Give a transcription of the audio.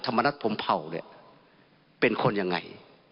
ธรรมนัฐพร้อมเผ่าเป็นคนยังไง